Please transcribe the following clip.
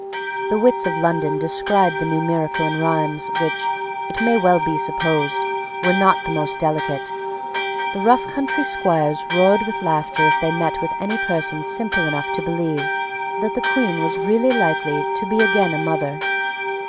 The wits of London described the new miracle in rhymes which, it may well be supposed, were not the most delicate. The rough country squires roared with laughter if they met with any person simple enough to believe that the Queen was really likely to be again a mother.